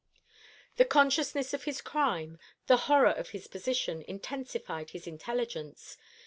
The consciousness of his crime, the horror of his position, intensified his intelligence.